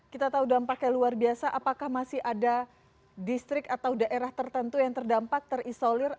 kita tahu dampaknya luar biasa apakah masih ada distrik atau daerah tertentu yang terdampak terisolir